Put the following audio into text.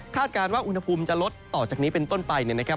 การว่าอุณหภูมิจะลดต่อจากนี้เป็นต้นไปนะครับ